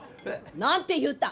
何て言うた？